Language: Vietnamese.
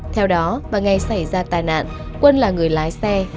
theo đó vào ngày xảy ra tai nạn quân là người lái xe